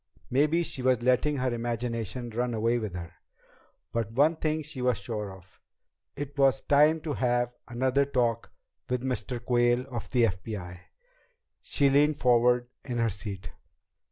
Maybe she was letting her imagination run away with her. But one thing she was sure of. It was time to have another talk with Mr. Quayle of the FBI! She leaned forward in her seat.